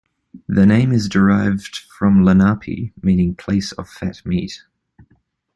The name is derived from Lenape, meaning place of fat meat.